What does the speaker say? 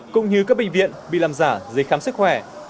cũng như các bệnh viện bị làm giả giấy khám sức khỏe